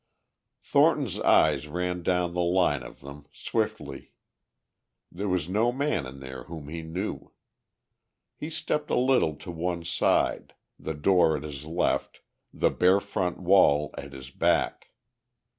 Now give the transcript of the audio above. Thornton's eyes ran down the line of them, swiftly. There was no man there whom he knew. He stepped a little to one side, the door at his left, the bare front wall at his back.